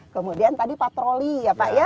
kemudian tadi patroli ya pak ya